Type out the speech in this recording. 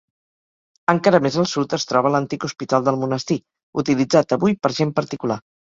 Encara més al sud es troba l'antic hospital del monestir, utilitzat avui per gent particular.